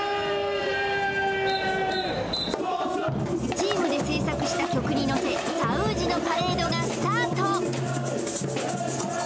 チームで制作した曲に乗せサウーヂのパレードがスタート！